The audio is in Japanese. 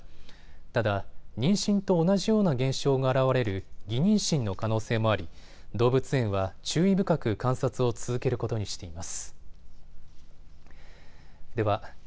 ただ妊娠と同じような減少が現れる偽妊娠の可能性もあり動物園は注意深く観察を続けることにしています。